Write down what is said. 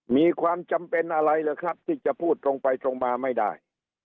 มีความจำเป็นอะไรหรือครับที่จะพูดตรงไปตรงมาไม่ได้